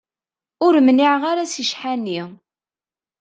Ur mniɛeɣ ara si ccḥani.